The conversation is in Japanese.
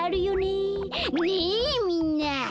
ねえみんな。